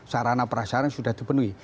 sarana perasaan sudah dipenuhi